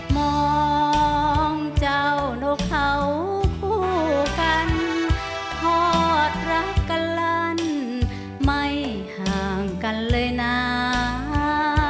มองเจ้านกเขาคู่กันทอดรักกันลั่นไม่ห่างกันเลยนะ